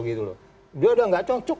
dia sudah tidak cocok